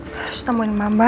harus temuin mama